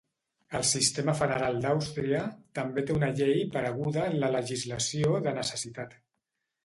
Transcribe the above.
El sistema federal d'Àustria també té una llei pareguda en la legislació de necessitat.